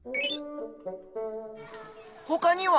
ほかには？